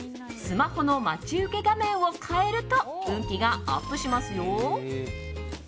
スマホの待ち受け画面を変えると運気がアップしますよ。